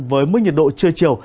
với mức nhiệt độ trưa chiều